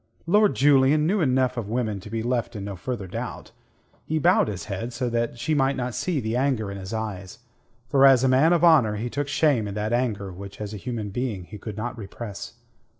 Lord Julian knew enough of women to be left in no further doubt. He bowed his head so that she might not see the anger in his eyes, for as a man of honour he took shame in that anger which as a human being he could not repress.